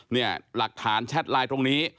เนี่ยหลักฐานแชทไลน์ตรงนี้